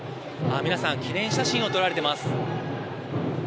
皆さん、記念写真を撮られてます。